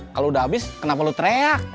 kalo udah abis kenapa lo terek